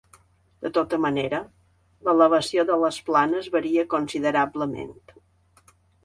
De tota manera, l'elevació de les planes varia considerablement.